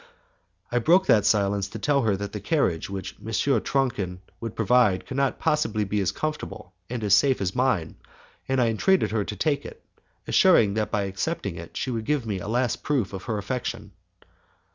I broke that sad silence to tell her that the carriage which M. Tronchin would provide could not possibly be as comfortable and as safe as mine, and I entreated her to take it, assuring her that by accepting it she would give me a last proof of her affection.